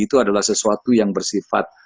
itu adalah sesuatu yang bersifat